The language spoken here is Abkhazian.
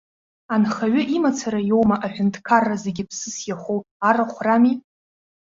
Анхаҩы имацара иоума, аҳәынҭқарра зегьы ԥсыс иахоу арахә рами?!